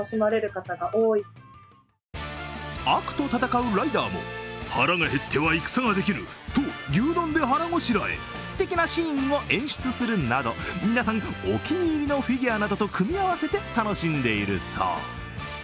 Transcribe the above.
悪と戦うライダーも腹が減っては戦ができぬ、と牛丼で腹ごしらえ的なシーンを演出するなど、皆さん、お気に入りのフィギュアなどと組み合わせて楽しんでいるそう。